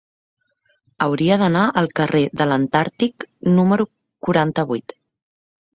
Hauria d'anar al carrer de l'Antàrtic número quaranta-vuit.